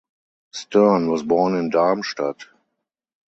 Stern was born in Darmstadt.